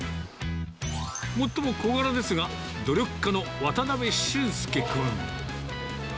最も小柄ですが、努力家の渡邉俊介君。